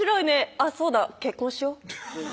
「あっそうだ結婚しよう」